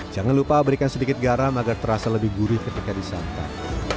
jangan lupa berikan sedikit garam agar terasa lebih gurih ketika disantap